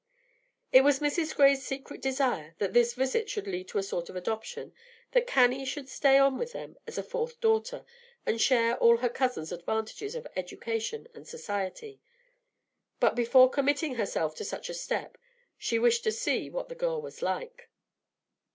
It was Mrs. Gray's secret desire that this visit should lead to a sort of adoption, that Cannie should stay on with them as a fourth daughter, and share all her cousins' advantages of education and society; but before committing herself to such a step, she wished to see what the girl was like.